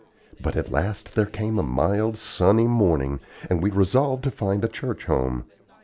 But at last there came a mild, sunny morning, and we resolved to find a church home.